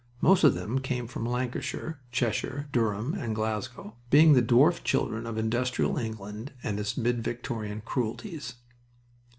Most of them came from Lancashire, Cheshire, Durham, and Glasgow, being the dwarfed children of industrial England and its mid Victorian cruelties.